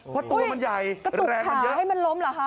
เพราะตัวมันใหญ่แรงกันเยอะต้องกระตุกขาให้มันล้มเหรอฮะ